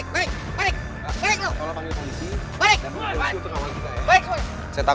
bisa diam gak